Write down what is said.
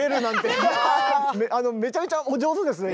あのめちゃめちゃお上手ですね